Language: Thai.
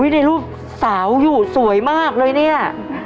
ในรูปสาวอยู่สวยมากเลยเนี่ย